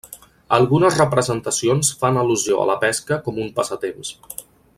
Algunes representacions fan al·lusió a la pesca com un passatemps.